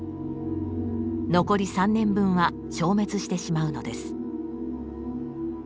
残り３年分は消滅してしまうのです。